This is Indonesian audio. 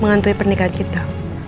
menghantui pernikahan kita